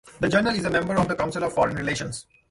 The general is a member of the Council on Foreign Relations.